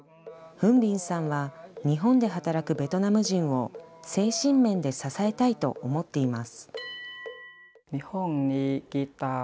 フン・ビンさんは日本で働くベトナム人を精神面で支えたいと思っています。